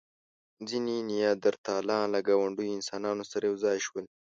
ځینې نیاندرتالان له ګاونډيو انسانانو سره یو ځای شول.